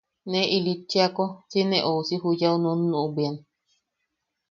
Ne ilitchiako si ne a ousi juyau nunuʼubwian.